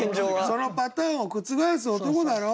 そのパターンを覆す男だろ？